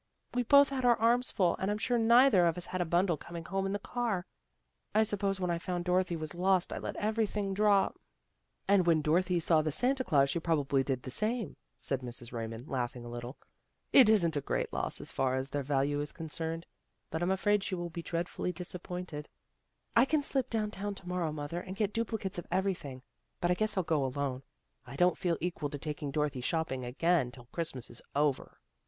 " We both had our arms full, and I'm sure neither of us had a bundle coming home in the car. I suppose when I found Dorothy was lost, I let every thing drop." DOROTHY GOES SHOPPING 201 " And when Dorothy saw the Santa Glaus she probably did the same," said Mrs. Ray mond, laughing a little. " It isn't a great loss as far as their value is concerned, but I'm afraid she will be dreadfully disappointed." " I can slip down town to morrow, mother, and get duplicates of everything. But I guess I'll go alone. I don't feel equal to taking Dorothy shopping again till Christmas is over."